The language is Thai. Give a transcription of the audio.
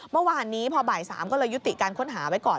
เมื่อวานนี้พอบ่าย๓ก็เลยยุติการค้นหาไว้ก่อน